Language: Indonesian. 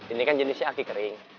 ini kan jenisnya aki kering